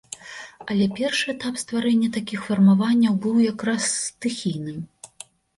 Але першы этап стварэння такіх фармаванняў быў як раз стыхійным.